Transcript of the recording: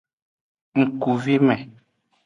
Ngkuvime.